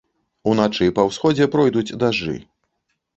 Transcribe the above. Уначы па ўсходзе пройдуць дажджы.